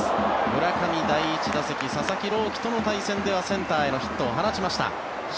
村上、第１打席佐々木朗希との対戦ではセンターへのヒットを放ちました。